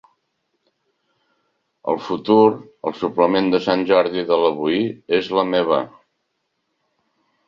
“El futur” al suplement de Sant Jordi de l'Avui és la meva.